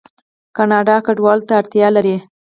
کاناډا کډوالو ته اړتیا لري.